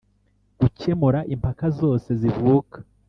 gukemura impaka zose zivuka